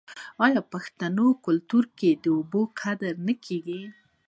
آیا د پښتنو په کلتور کې د اوبو قدر نه کیږي؟